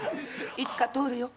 いつか通るよ。